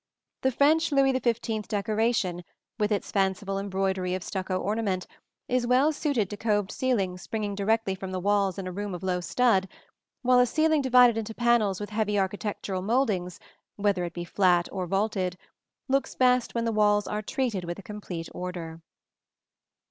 The French Louis XV decoration, with its fanciful embroidery of stucco ornament, is well suited to coved ceilings springing directly from the walls in a room of low stud; while a ceiling divided into panels with heavy architectural mouldings, whether it be flat or vaulted, looks best when the walls are treated with a complete order.